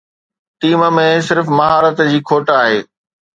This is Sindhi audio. ٽيم ۾ صرف مهارت جي کوٽ آهي.